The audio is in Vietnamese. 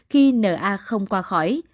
khi n a không qua khỏi